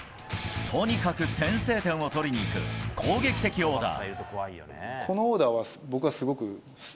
とにかく先制点を取りにいく攻撃的オーダー。